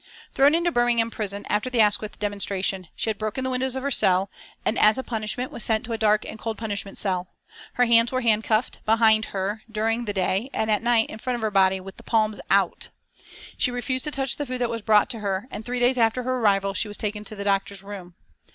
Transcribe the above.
Thrown into Birmingham prison after the Asquith demonstration, she had broken the windows of her cell, and as a punishment was sent to a dark and cold punishment cell. Her hands were handcuffed, behind her during the day, and at night in front of her body with the palms out. She refused to touch the food that was brought to her, and three days after her arrival she was taken to the doctor's room.